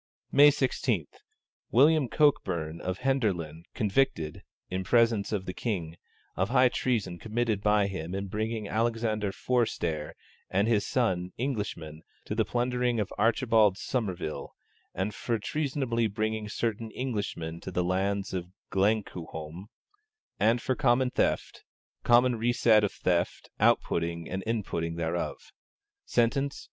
May 16. William Cokburne of Henderland, convicted (in presence of the King) of high treason committed by him in bringing Alexander Forestare and his son, Englishmen, to the plundering of Archibald Somervile; and for treasunably bringing certain Englishmen to the lands of Glenquhome; and for common theft, common reset of theft, out putting and in putting thereof. Sentence.